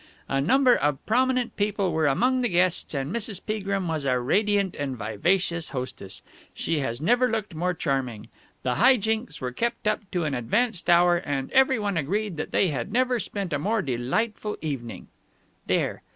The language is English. A number of prominent people were among the guests, and Mrs. Peagrim was a radiant and vivacious hostess. She has never looked more charming. The high jinks were kept up to an advanced hour, and every one agreed that they had never spent a more delightful evening.' There!